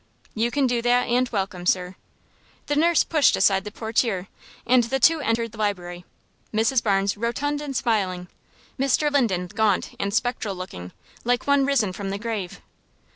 "You can do that, and welcome, sir." The nurse pushed aside the portiere, and the two entered the library Mrs. Barnes rotund and smiling, Mr. Linden gaunt and spectral looking, like one risen from the grave.